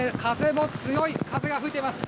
強い風も吹いています。